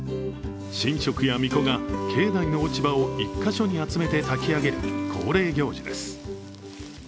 神職やみこが、境内の落ち葉を１か所に集めてたき上げる恒例行事です。